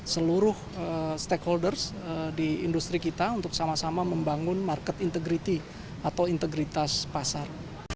seluruh stakeholders di industri kita untuk sama sama membangun market integrity atau integritas pasar